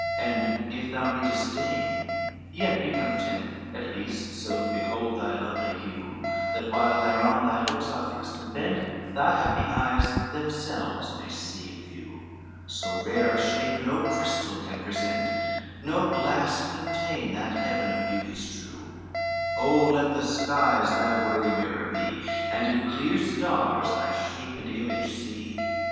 XXII "And if thou me disdain, yet be content At least so to behold thy lovely hue, That while thereon thy looks are fixed and bent Thy happy eyes themselves may see and view; So rare a shape no crystal can present, No glass contain that heaven of beauties true; Oh let the skies thy worthy mirror be! And in dear stars try shape and image see."